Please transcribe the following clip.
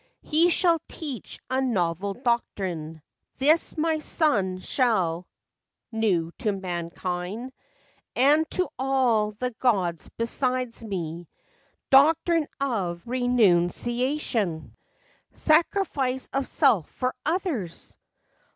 ' He shall teach a novel doctrine, This my son shall, new to mankind, And to all the gods beside me; Doctrine of renunciation, Sacrifice of self for others!